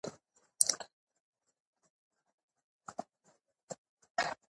سړکونه د هېواد د رګونو په څېر دي.